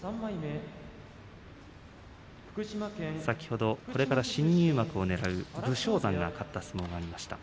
先ほど、これから新入幕をねらう武将山が勝った相撲をお伝えしました。